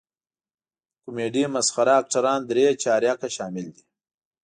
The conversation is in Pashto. کمیډي مسخره اکټران درې چارکه شامل دي.